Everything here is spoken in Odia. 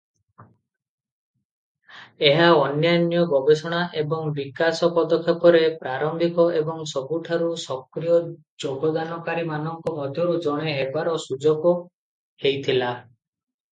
ଏହା ଅନ୍ୟାନ୍ୟ ଗବେଷଣା ଏବଂ ବିକାଶ ପଦକ୍ଷେପରେ ପ୍ରାରମ୍ଭିକ ଏବଂ ସବୁଠାରୁ ସକ୍ରିୟ ଯୋଗଦାନକାରୀମାନଙ୍କ ମଧ୍ୟରୁ ଜଣେ ହେବାର ସୁଯୋଗ ଦେଇଥିଲା ।